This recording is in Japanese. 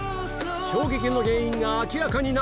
衝撃の原因が明らかになる！